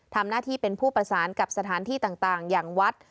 ทำหน้าที่เป็นผู้ประสานกับสถานที่ต่างอย่างวัด